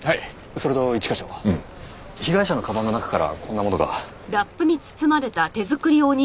それと一課長被害者のかばんの中からこんなものが。